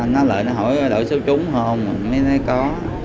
nó lời hỏi đổi số trúng không mới nói có